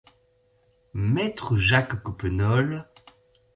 Maître Jacques Coppenole